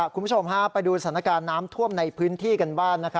คุณผู้ชมไปดูสถานการณ์น้ำท่วมในพื้นที่กันบ้าง